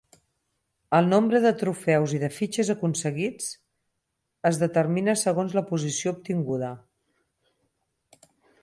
El nombre de trofeus i de fitxes aconseguits es determina segons la posició obtinguda.